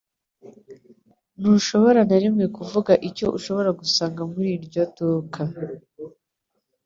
Ntushobora na rimwe kuvuga icyo ushobora gusanga muri iryo duka.